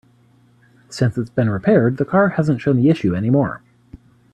Since it's been repaired, the car hasn't shown the issue any more.